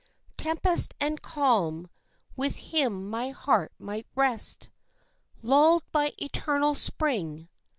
Tempest and calm, with him my heart might rest, Lulled by eternal spring.